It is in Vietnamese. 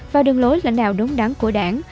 và đường lối lãnh đạo đúng đắn của đảng